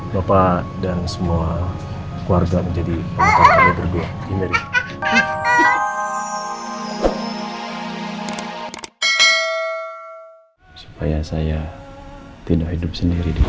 bapak dan semua keluarga menjadi perempuan berdua supaya saya tidak hidup sendiri di